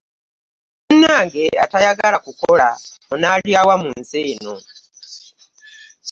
Munange atayagala kukola onalya wa mu nsi eno.